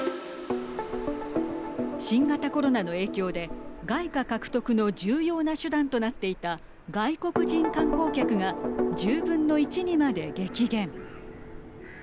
新型コロナの影響で外貨獲得の重要な手段となっていた外国人観光客が１０分の１にまで激減。